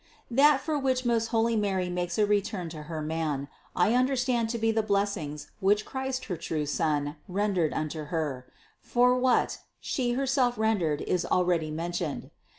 That for which most holy Mary makes a return to her Man, I understand to be the bless ing, which Christ, her true Son, rendered unto Her ; for what, She herself rendered is already mentioned.